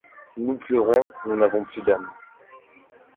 Nous pleurons, nous n'avons plus d'âme